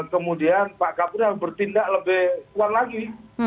kemudian pak kapolri harus bertindak lebih kuat lagi